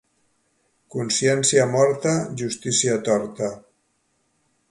Consciència morta, justícia torta.